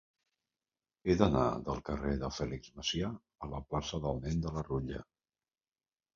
He d'anar del carrer de Fèlix Macià a la plaça del Nen de la Rutlla.